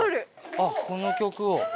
あこの曲を。